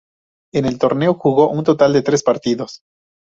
En el torneo jugó un total de tres partidos.